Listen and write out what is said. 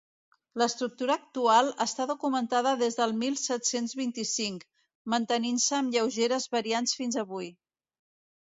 L'estructura actual està documentada des del mil set-cents vint-i-cinc, mantenint-se amb lleugeres variants fins avui.